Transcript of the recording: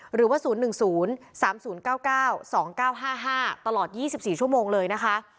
หรือว่า๐๑๐๓๐๙๙๒๙๕๕ตลอด๒๔ชั่วโมงเลยนะคะ